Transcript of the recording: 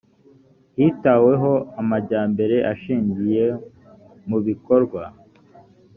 hitaweho amajyambere ashingiye mu bikorwa